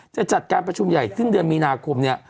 จะจัดการประชุมใหญ่สิ้นเดือนมีนาคมเนี่ย